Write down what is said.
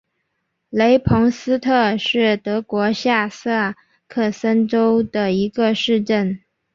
雷彭斯特是德国下萨克森州的一个市镇。